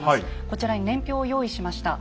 こちらに年表を用意しました。